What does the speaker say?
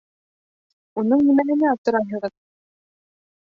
Уның нимәһенә аптырайһығыҙ?